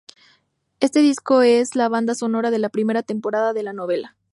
Este disco es la banda sonora de la primera temporada de la novela.